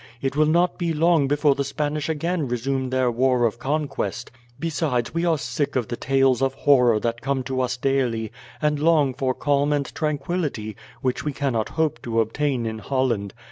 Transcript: It will not be long before the Spanish again resume their war of conquest; besides, we are sick of the tales of horror that come to us daily, and long for calm and tranquillity, which we cannot hope to obtain in Holland.